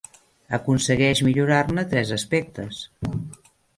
Aconsegueix millorar-ne tres aspectes.